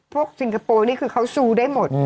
ซิงคโปร์นี่คือเขาซูได้หมด